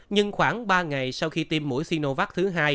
nhưng khoảng ba ngày sau khi tiêm mũi xinovac thứ hai